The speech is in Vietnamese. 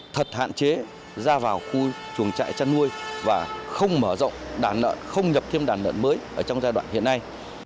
thật hạn chế ra vào khu chuồng trại chăn nuôi và không mở rộng đàn lợn không nhập thêm đàn lợn mới ở trong giai đoạn hiện nay